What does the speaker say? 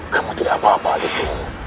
kamu tidak apa apa ibu